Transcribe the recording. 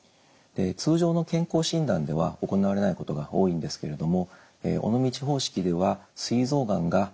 通常の健康診断では行われないことが多いんですけれども尾道方式ではすい臓がんが発見する